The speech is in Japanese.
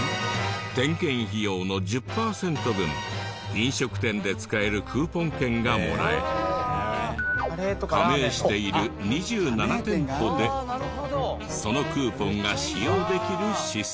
点検費用の１０パーセント分飲食店で使えるクーポン券がもらえ加盟している２７店舗でそのクーポンが使用できるシステム。